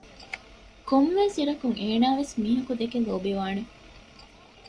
ކޮންމެވެސް އިރަކުން އޭނާވެސް މީހަކު ދެކެ ލޯބިވާނެ